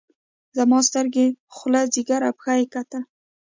زما سترګې خوله ځيګر او پښه يې کتل.